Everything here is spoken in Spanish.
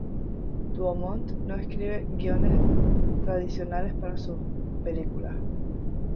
Dumont no escribe guiones tradicionales para sus películas.